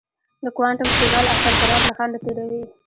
د کوانټم تونل اثر ذرات له خنډه تېروي.